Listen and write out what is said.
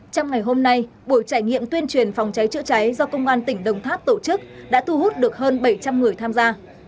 trong ngày hôm nay buổi trải nghiệm tuyên truyền phòng cháy chữa cháy do công an tỉnh đồng tháp tổ chức đã thu hút được hơn bảy trăm linh người tham gia